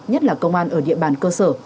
nhất là công an ở địa bàn cơ sở